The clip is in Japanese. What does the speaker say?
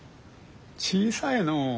小さいのう。